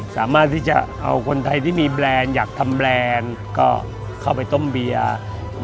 สามารถที่จะเอาคนไทยที่มีแบรนด์อยากทำแบรนด์ก็เข้าไปต้มเบียร์